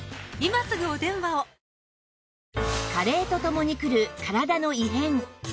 加齢とともに来る体の異変